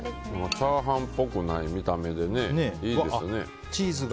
チャーハンっぽくない見た目でいいですね。